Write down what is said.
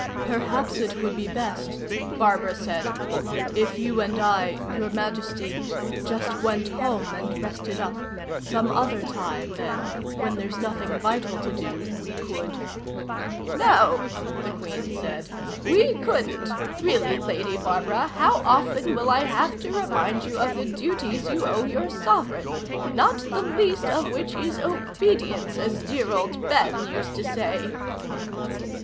"Perhaps it would be best," Barbara said, "if you and I Your Majesty just went home and rested up. Some other time, then, when there's nothing vital to do, we could " "No," the Queen said. "We couldn't. Really, Lady Barbara, how often will I have to remind you of the duties you owe your sovereign not the least of which is obedience, as dear old Ben used to say."